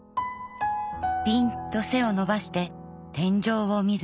ぴんと背を伸ばして天井を見る。